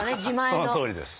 そのとおりです。